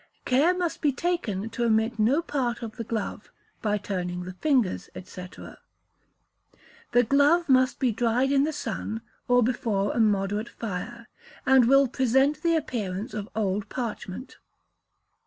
Care must be taken to omit no part of the glove, by turning the fingers, &c. The glove must be dried in the sun, or before a moderate fire, and will present the appearance of old parchment.